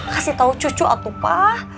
kasih tau cu cu apa apa